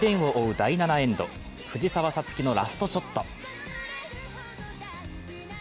第７エンド藤澤五月のラストショット。